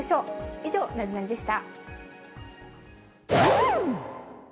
以上、ナゼナニっ？でした。